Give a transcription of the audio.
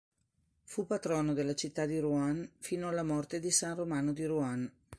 Fu patrono della città di Rouen fino alla morte di san Romano di Rouen.